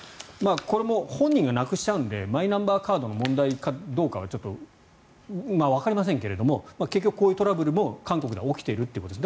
これも本人がなくしちゃうのでマイナンバーカードの問題かはちょっと、わかりませんけど結局こういうトラブルも韓国では起きているということです。